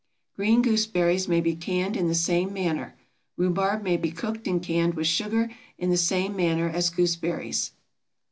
Green gooseberries may be canned in the same manner. Rhubarb may be cooked and canned with sugar in the same manner as gooseberries.